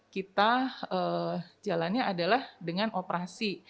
kita jalannya adalah dengan operasi